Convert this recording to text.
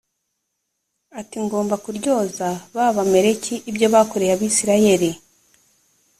ati ngomba kuryoza b abamaleki ibyo bakoreye abisirayeli